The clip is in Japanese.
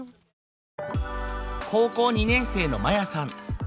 高校２年生のマヤさん。